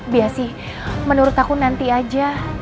biasi menurut aku nanti aja